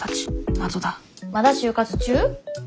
謎だまだ就活中？